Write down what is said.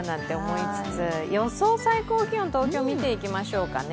予想最高気温、東京、見ていきましょうかね。